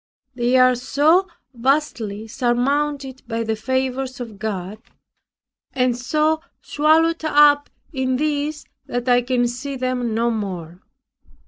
They are so vastly surmounted by the favours of God, and so swallowed up in these that I can see them no more.